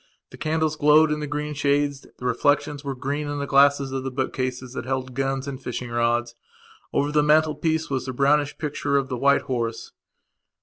The candles glowed in the green shades; the reflections were green in the glasses of the book cases that held guns and fishing rods. Over the mantelpiece was the brownish picture of the white horse.